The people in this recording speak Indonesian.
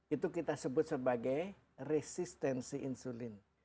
itu kita sebut sebagai resistensi insulin